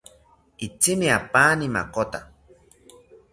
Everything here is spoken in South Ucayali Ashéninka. Itzimi apaani makota